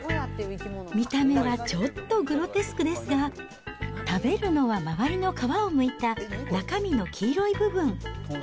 見た目はちょっとグロテスクですが、食べるのは周りの皮をむいた、中身の黄色い部分。